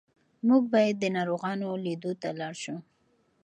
موږ باید د ناروغانو لیدو ته لاړ شو.